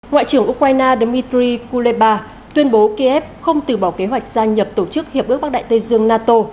ngoại trưởng ukraine dmitry kuleba tuyên bố kiev không từ bỏ kế hoạch gia nhập tổ chức hiệp ước bắc đại tây dương nato